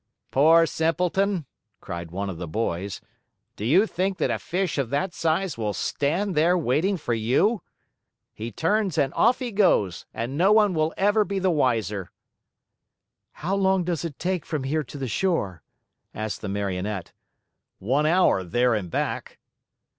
"Poor simpleton!" cried one of the boys. "Do you think that a fish of that size will stand there waiting for you? He turns and off he goes, and no one will ever be the wiser." "How long does it take from here to the shore?" asked the Marionette. "One hour there and back."